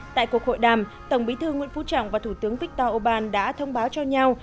tại cuộc hội đàm tổng bí thư nguyễn phú trọng và thủ tướng viktor orbán đã thông báo cho nhau